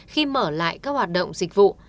khi mở lại các hoạt động dịch vụ